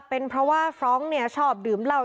เป็นเพราะว่าฟรองก์เนี่ยชอบดื่มเหล้า